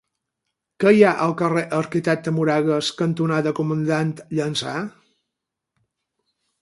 Què hi ha al carrer Arquitecte Moragas cantonada Comandant Llança?